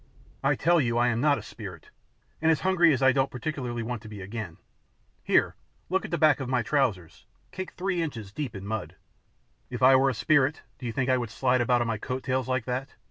"I tell you I am not a spirit, and as hungry as I don't particularly want to be again. Here, look at the back of my trousers, caked three inches deep in mud. If I were a spirit, do you think I would slide about on my coat tails like that?